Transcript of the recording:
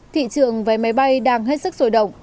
thị trường vé máy bay đang hết sức sôi động